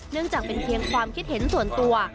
จากเป็นเพียงความคิดเห็นส่วนตัว